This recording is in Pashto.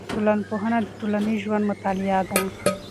ټولنپوهنه د ټولنیز ژوند مطالعه ده.